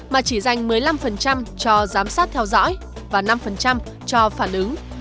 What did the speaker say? mà chỉ dành một mươi năm cho giám sát theo dõi và năm cho phản ứng